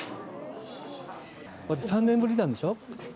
３年ぶりなんでしょ？